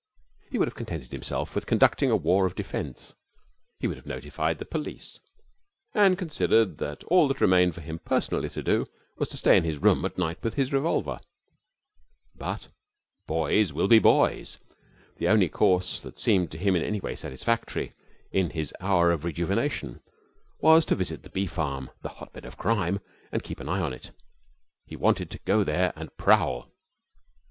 He would have contented himself with conducting a war of defence. He would have notified the police, and considered that all that remained for him personally to do was to stay in his room at night with his revolver. But boys will be boys. The only course that seemed to him in any way satisfactory in this his hour of rejuvenation was to visit the bee farm, the hotbed of crime, and keep an eye on it. He wanted to go there and prowl.